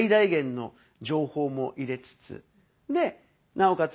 なおかつ